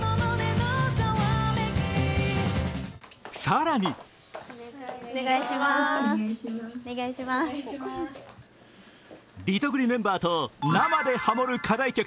更にリトグリメンバーと生でハモる課題曲「Ｊｕｐｉｔｅｒ」。